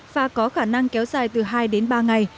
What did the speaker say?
và có khả năng kéo dài từ hai đến ba ngày